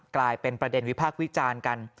กลายเป็นประเด็นวิพากษ์วิจารณ์กัน